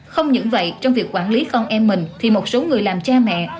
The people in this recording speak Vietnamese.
không những vậy trong việc quản lý con em mình thì một số người làm cha mẹ